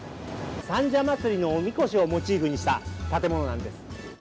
三社祭のおみこしをモチーフにした建物なんです。